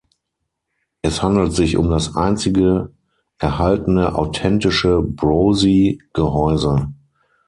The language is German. Es handelt sich um das einzige erhaltene, authentische Brosy-Gehäuse.